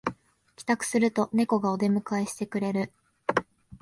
帰宅するとネコがお出迎えしてくれる